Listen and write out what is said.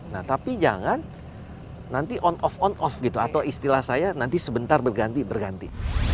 nah tapi jangan nanti on off on off gitu atau istilah saya nanti sebentar berganti berganti